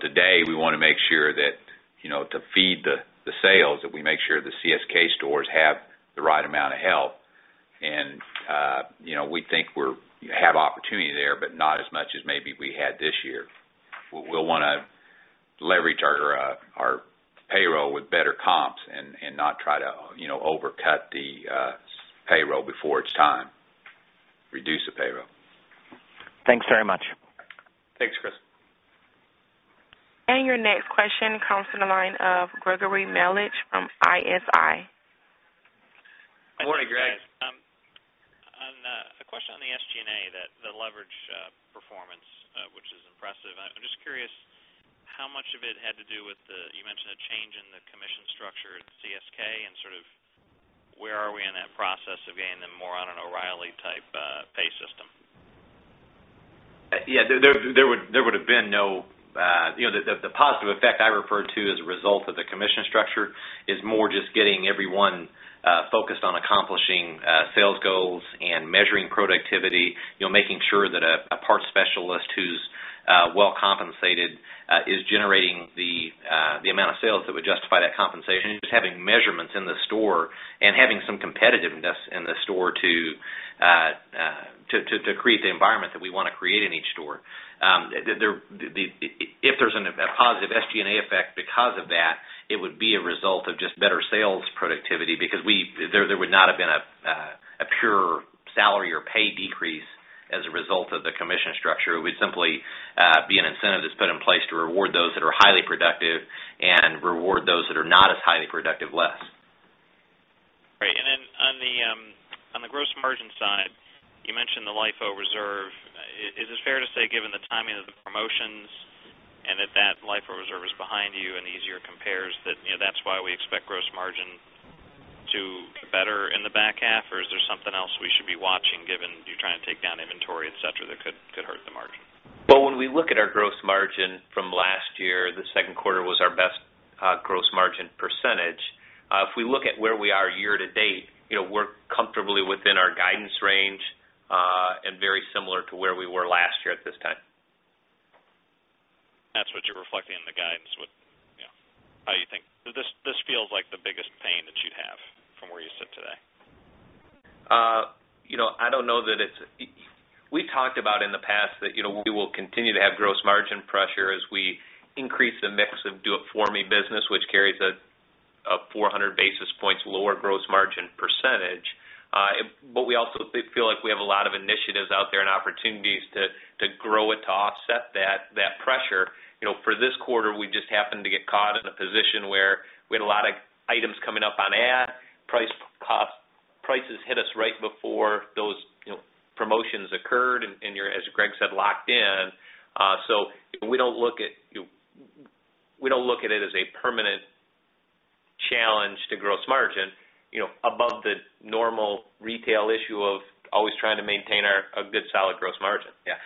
Today we want to make sure that, to feed the sales, we make sure the CSK stores have the right amount of help. We think we have opportunity there, but not as much as maybe we had this year. We'll want to leverage our payroll with better comps and not try to overcut the payroll before it's time, reduce the payroll. Thanks very much. Thanks, Chris. Your next question comes from the line of Gregory Melich from ISI. Morning, Greg. I have a question on the SG&A, the leverage performance, which is impressive. I'm just curious how much of it had to do with the, you mentioned a change in the commission-based compensation plan at CSK, and sort of where are we in that process of getting them more on an O'Reilly type pay system? Yeah, there would have been no, you know, the positive effect I referred to as a result of the commission-based compensation plan is more just getting everyone focused on accomplishing sales goals and measuring productivity, making sure that a parts specialist who's well compensated is generating the amount of sales that would justify that compensation, just having measurements in the store and having some competitiveness in the store to create the environment that we want to create in each store. If there's a positive SG&A effect because of that, it would be a result of just better sales productivity because there would not have been a pure salary or pay decrease as a result of the commission-based compensation plan. It would simply be an incentive that's put in place to reward those that are highly productive and reward those that are not as highly productive less. Right. On the gross margin side, you mentioned the LIFO Reserve. Is it fair to say given the timing of the promotions and that the LIFO Reserve is behind you and easier to compare, that's why we expect gross margin to get better in the back half, or is there something else we should be watching given you're trying to take down inventory, etc., that could hurt the margin? When we look at our gross margin from last year, the second quarter was our best gross margin percentage. If we look at where we are year to date, you know, we're comfortably within our guidance range and very similar to where we were last year at this time. That's what you're reflecting in the guidance. What, you know, how do you think this feels like the biggest pain that you'd have from where you sit today? I don't know that it's, we talked about in the past that we will continue to have gross margin pressure as we increase the mix of do-it-for-me business, which carries a 200 basis points lower gross margin percentage. We also feel like we have a lot of initiatives out there and opportunities to grow it to offset that pressure. For this quarter, we just happened to get caught in a position where we had a lot of items coming up on ad price pops, prices hit us right before those promotions occurred, and you're, as Greg said, locked in. We don't look at it as a permanent challenge to gross margin, above the normal retail issue of always trying to maintain a good solid gross margin. Yeah.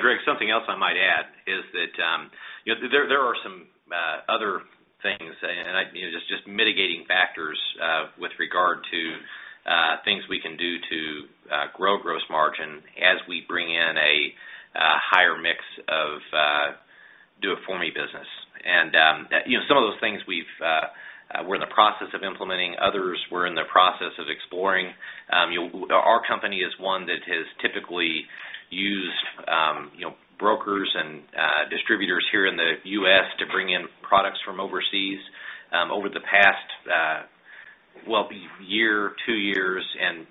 Greg, something else I might add is that there are some other things, just mitigating factors with regard to things we can do to grow gross margin as we bring in a higher mix of do-it-for-me business. Some of those things we're in the process of implementing, others we're in the process of exploring. Our company is one that has typically used brokers and distributors here in the U.S. to bring in products from overseas. Over the past year, two years,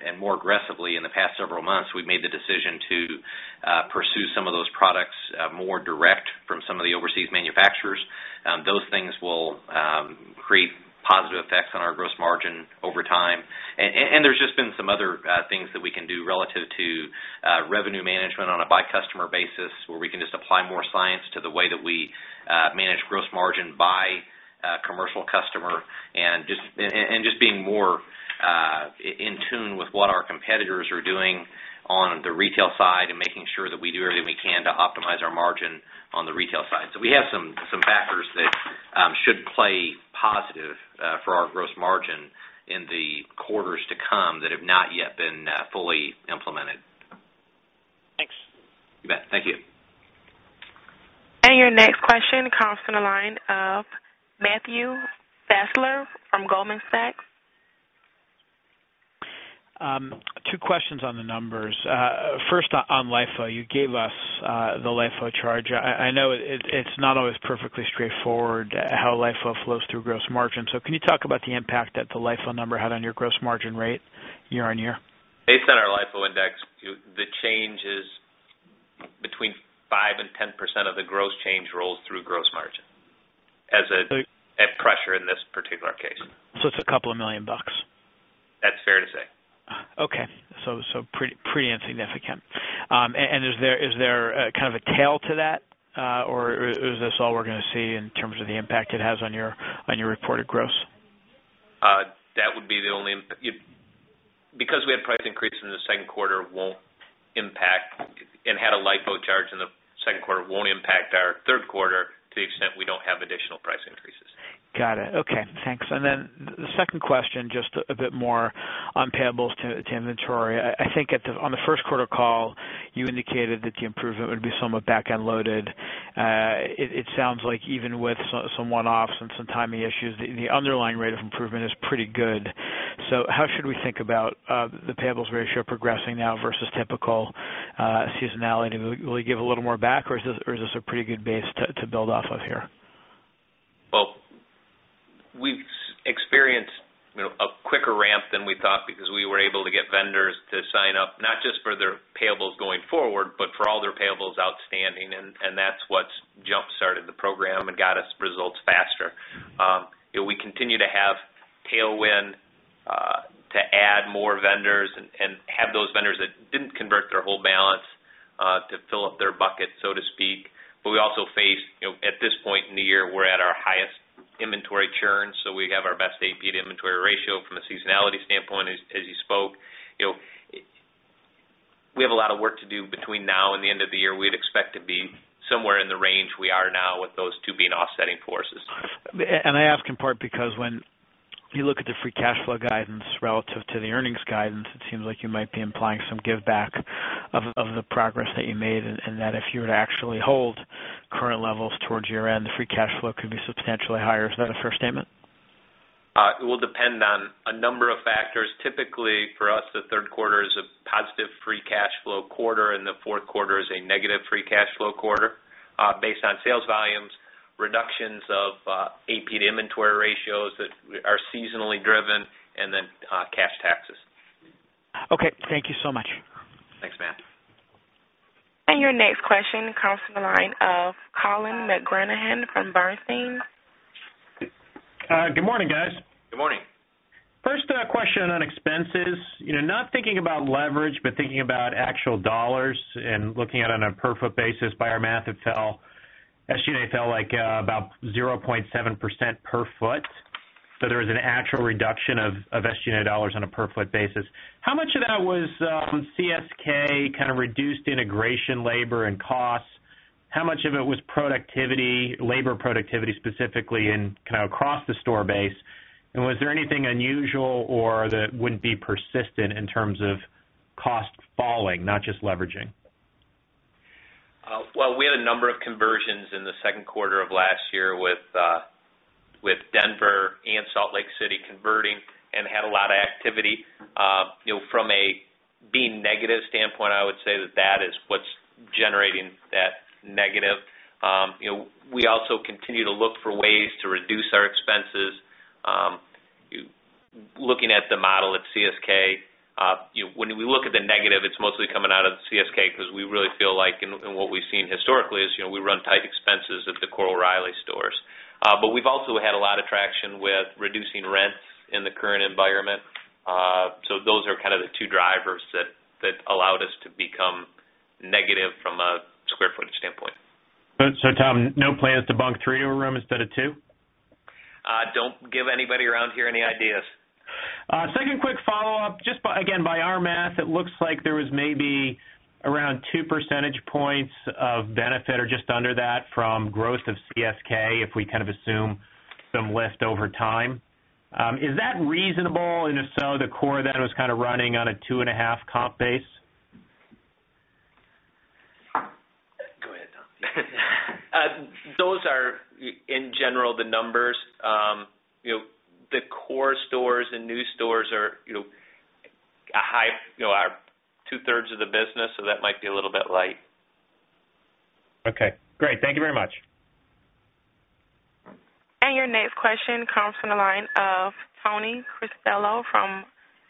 and more aggressively in the past several months, we've made the decision to pursue some of those products more direct from some of the overseas manufacturers. Those things will create positive effects on our gross margin over time. There have just been some other things that we can do relative to revenue management on a by-customer basis where we can just apply more science to the way that we manage gross margin by commercial customer and just being more in tune with what our competitors are doing on the retail side and making sure that we do everything we can to optimize our margin on the retail side. We have some factors that should play positive for our gross margin in the quarters to come that have not yet been fully implemented. Thanks. You bet. Thank you. Your next question comes from the line of Matthew Fassler from Goldman Sachs. Two questions on the numbers. First, on LIFO, you gave us the LIFO charge. I know it's not always perfectly straightforward how LIFO flows through gross margin. Can you talk about the impact that the LIFO number had on your gross margin rate year on year? Based on our LIFO index, the change is between 5% and 10% of the gross change rolls through gross margin as a pressure in this particular case. It's a couple of million bucks. That's fair to say. Okay. Pretty insignificant. Is there kind of a tail to that, or is this all we're going to see in terms of the impact it has on your reported gross? That would be the only, because we had price increases in the second quarter, won't impact, and had a LIFO charge in the second quarter, won't impact our third quarter to the extent we don't have additional price increases. Got it. Okay, thanks. The second question, just a bit more on payables to inventory. I think on the first quarter call, you indicated that the improvement would be somewhat back-end loaded. It sounds like even with some one-offs and some timing issues, the underlying rate of improvement is pretty good. How should we think about the payables ratio progressing now versus typical seasonality? Do we really give a little more back, or is this a pretty good base to build off of here? We've experienced a quicker ramp than we thought because we were able to get vendors to sign up not just for their payables going forward, but for all their payables outstanding, and that's what's jump-started the program and got us results faster. We continue to have tailwind to add more vendors and have those vendors that didn't convert their whole balance to fill up their bucket, so to speak. We also face, at this point in the year, we're at our highest inventory churn, so we have our best AP-inventory ratio from a seasonality standpoint, as you spoke. We have a lot of work to do between now and the end of the year. We'd expect to be somewhere in the range we are now with those two being offsetting forces. I ask in part because when you look at the free cash flow guidance relative to the earnings guidance, it seems like you might be implying some give-back of the progress that you made, and that if you were to actually hold current levels towards year-end, the free cash flow could be substantially higher. Is that a fair statement? It will depend on a number of factors. Typically, for us, the third quarter is a positive free cash flow quarter, and the fourth quarter is a negative free cash flow quarter based on sales volumes, reductions of AP-inventory ratios that are seasonally driven, and then cash taxes. Okay, thank you so much. Thanks, Matt. Your next question comes from the line of Colin McGranahan from Bernstein. Good morning, guys. Good morning. First question on expenses. You know, not thinking about leverage, but thinking about actual dollars and looking at it on a per-foot basis, by our math, it fell, SG&A fell like about 0.7% per ft. There was an actual reduction of SG&A dollars on a per-foot basis. How much of that was CSK kind of reduced integration labor and costs? How much of it was productivity, labor productivity specifically in kind of across the store base? Was there anything unusual or that wouldn't be persistent in terms of cost falling, not just leveraging? We had a number of conversions in the second quarter of last year with Denver and Salt Lake City converting and had a lot of activity. From a B negative standpoint, I would say that that is what's generating that negative. We also continue to look for ways to reduce our expenses. Looking at the model at CSK, when we look at the negative, it's mostly coming out of the CSK because we really feel like in what we've seen historically is we run tight expenses at the Core O'Reilly stores. We've also had a lot of traction with reducing rent in the current environment. Those are kind of the two drivers that allowed us to become negative from a square footage standpoint. Tom, no plans to bunk three in a room instead of two? Don't give anybody around here any ideas. Second quick follow-up, just again by our math, it looks like there was maybe around 2% of benefit or just under that from growth of CSK if we kind of assume some lift over time. Is that reasonable? If so, the core then was kind of running on a 2.5% comp base? Those are in general the numbers. The core stores and new stores are a high, two-thirds of the business, so that might be a little bit light. Okay, great. Thank you very much. Your next question comes from the line of Tony Cristello from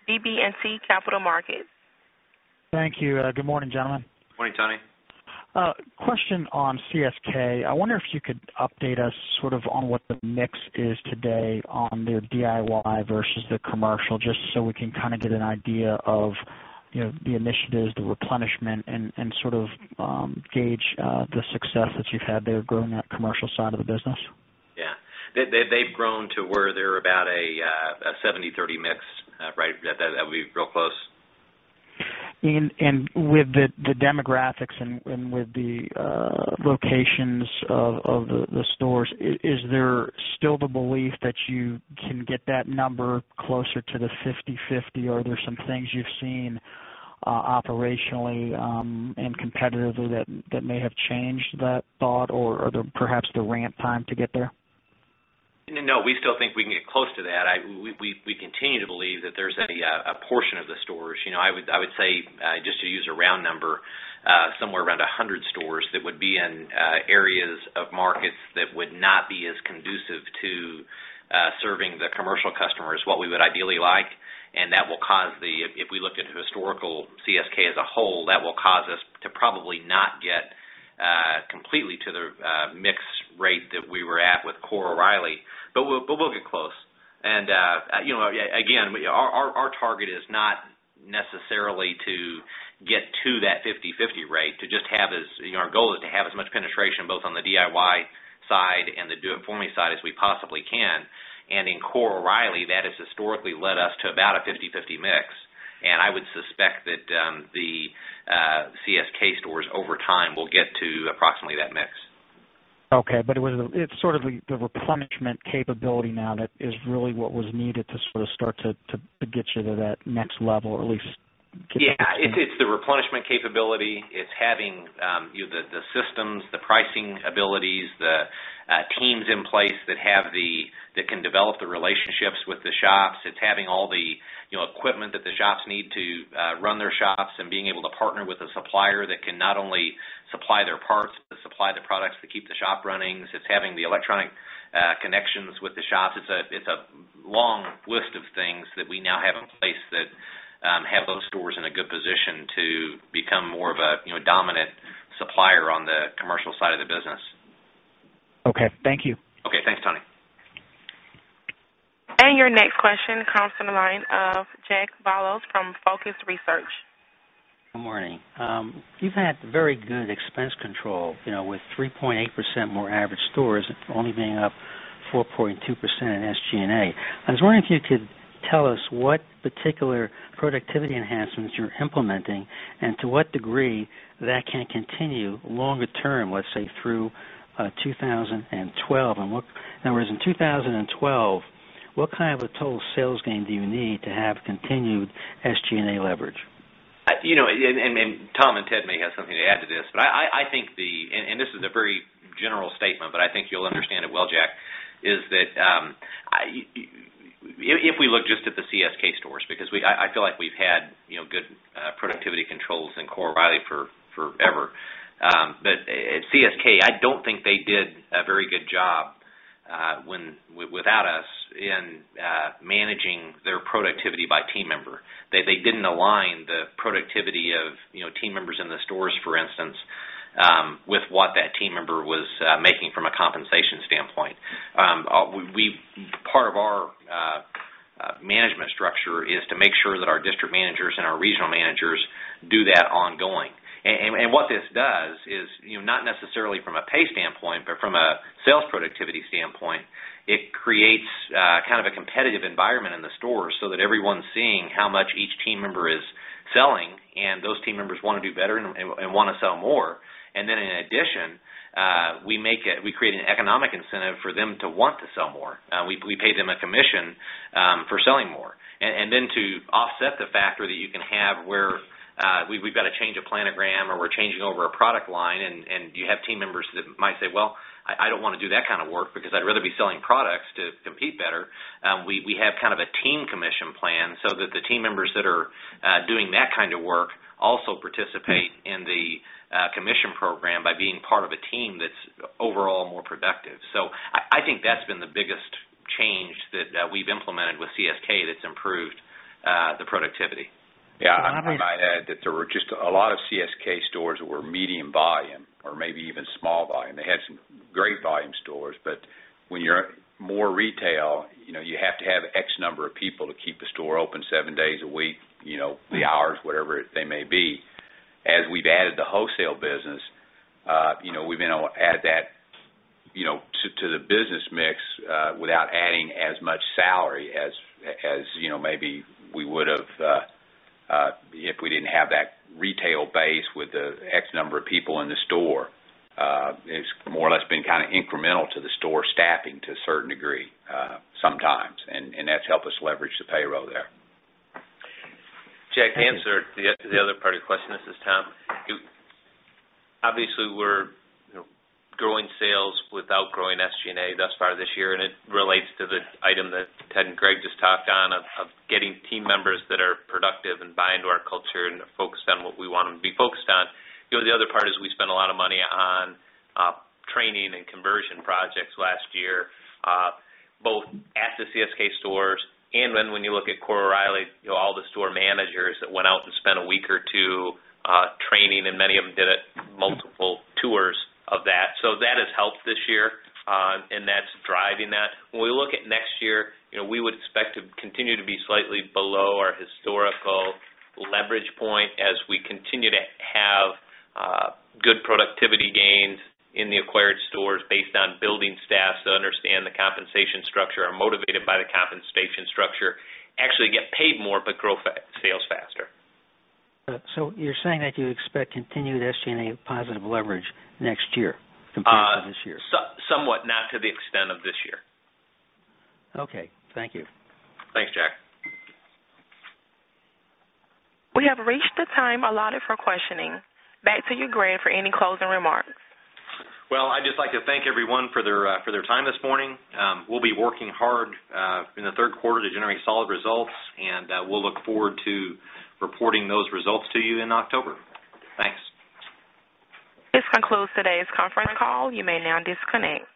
BB&T Capital Markets. Thank you. Good morning, gentlemen. Morning, Tony. A question on CSK. I wonder if you could update us sort of on what the mix is today on their DIY versus the commercial, just so we can kind of get an idea of the initiatives, the replenishment, and sort of gauge the success that you've had there growing that commercial side of the business. Yeah, they've grown to where they're about a 70/30 mix, right? That would be real close. With the demographics and with the locations of the stores, is there still the belief that you can get that number closer to the 50/50? Are there some things you've seen operationally and competitively that may have changed that thought, or are there perhaps the ramp time to get there? No, we still think we can get close to that. We continue to believe that there's a portion of the stores. I would say, just to use a round number, somewhere around 100 stores that would be in areas of markets that would not be as conducive to serving the commercial customers what we would ideally like. That will cause the, if we looked at historical CSK as a whole, that will cause us to probably not get completely to the mix rate that we were at with Core O'Reilly, but we'll get close. Our target is not necessarily to get to that 50/50 rate, our goal is to have as much penetration both on the DIY side and the do-it-for-me side as we possibly can. In Core O'Reilly, that has historically led us to about a 50/50 mix. I would suspect that the CSK over time will get to approximately that mix. Okay, it's sort of the replenishment capability now that is really what was needed to start to get you to that next level, or at least. Yeah, it's the replenishment capability. It's having the systems, the pricing abilities, the teams in place that can develop the relationships with the shops. It's having all the equipment that the shops need to run their shops and being able to partner with a supplier that can not only supply their parts, but supply the products to keep the shop running. It's having the electronic connections with the shops. It's a long list of things that we now have in place that have those stores in a good position to become more of a dominant supplier on the commercial side of the business. Okay, thank you. Okay, thanks, Tony. Your next question comes from the line of Jack Valo from Focused Research. Good morning. You've had very good expense control, you know, with 3.8% more average stores and only being up 4.2% in SG&A. I was wondering if you could tell us what particular productivity enhancements you're implementing and to what degree that can continue longer term, let's say, through 2012. In 2012, what kind of a total sales gain do you need to have continued SG&A leverage? Tom and Ted may have something to add to this, but I think the, and this is a very general statement, but I think you'll understand it well, Jack, is that if we look just at the CSK stores because I feel like we've had good productivity controls in Core O'Reilly forever, but at CSK, I don't think they did a very good job without us in managing their productivity by team member. They didn't align the productivity of team members in the stores, for instance, with what that team member was making from a compensation standpoint. Part of our management structure is to make sure that our district managers and our regional managers do that ongoing. What this does is not necessarily from a pay standpoint, but from a sales productivity standpoint, it creates kind of a competitive environment in the stores so that everyone's seeing how much each team member is selling and those team members want to do better and want to sell more. In addition, we make it, we create an economic incentive for them to want to sell more. We pay them a commission for selling more. To offset the factor that you can have where we've got to change a planogram or we're changing over a product line and you have team members that might say, I don't want to do that kind of work because I'd rather be selling products to compete better, we have kind of a team commission plan so that the team members that are doing that kind of work also participate in the commission program by being part of a team that's overall more productive. I think that's been the biggest change that we've implemented with CSK that's improved the productivity. Yeah, I might add that there were just a lot of CSK stores that were medium volume or maybe even small volume. They had some great volume stores, but when you're more retail, you have to have X number of people to keep the store open seven days a week, you know, the hours, whatever they may be. As we've added the wholesale business, we've been able to add that to the business mix without adding as much salary as maybe we would have if we didn't have that retail base with the X number of people in the store. It's more or less been kind of incremental to the store staffing to a certain degree sometimes, and that's helped us leverage the payroll there. Jack, to answer the other part of your question, this is Tom. Obviously, we're growing sales without growing SG&A thus far this year, and it relates to the item that Ted and Greg just talked on of getting team members that are productive and buy into our culture and focused on what we want them to be focused on. The other part is we spent a lot of money on training and conversion projects last year, both at the CSK stores and then when you look at Core O'Reilly, all the store managers that went out and spent a week or two training, and many of them did multiple tours of that. That has helped this year, and that's driving that. When we look at next year, we would expect to continue to be slightly below our historical leverage point as we continue to have good productivity gains in the acquired stores based on building staff, so understand the compensation structure, are motivated by the compensation structure, actually get paid more, but grow sales faster. You're saying that you expect continued SG&A positive leverage next year compared to this year? Somewhat, not to the extent of this year. Okay, thank you. Thanks, Jack. We have reached the time allotted for questioning. Back to you, Greg, for any closing remarks. I’d just like to thank everyone for their time this morning. We’ll be working hard in the third quarter to generate solid results, and we’ll look forward to reporting those results to you in October. Thanks. This concludes today's conference call. You may now disconnect.